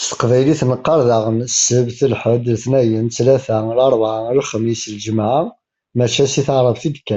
S teqbaylit neqqaṛ daɣen: Sebt, lḥed, letniyen, ttlata, larbɛa, lexmis, lǧemɛa. Maca si taɛrabt i d-kkan.